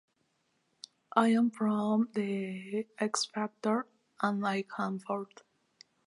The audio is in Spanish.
I'm from The X Factor and I came fourth.